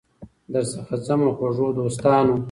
درڅخه ځمه خوږو دوستانو